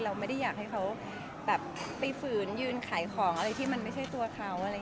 เราไม่ได้อยากให้เขาไปฝืนยืนขายของอะไรที่มันไม่ใช่ตัวเขาอะไรอย่างนี้ค่ะ